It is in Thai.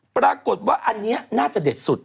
ปรากฏว่าอันนี้น่าจะเด็ดสุด